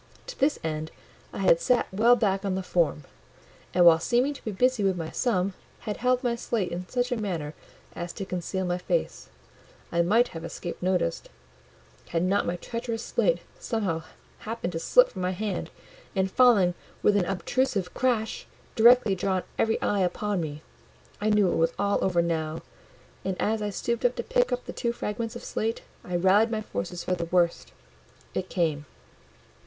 To this end, I had sat well back on the form, and while seeming to be busy with my sum, had held my slate in such a manner as to conceal my face: I might have escaped notice, had not my treacherous slate somehow happened to slip from my hand, and falling with an obtrusive crash, directly drawn every eye upon me; I knew it was all over now, and, as I stooped to pick up the two fragments of slate, I rallied my forces for the worst. It came.